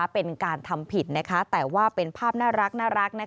เป็นการทำผิดแต่ว่าเป็นภาพน่ารัก